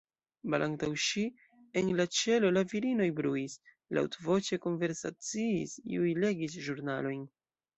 Malantaŭ ŝi, en la ĉelo, la virinoj bruis, laŭtvoĉe konversaciis, iuj legis ĵurnalojn.